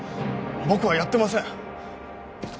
僕はやってません！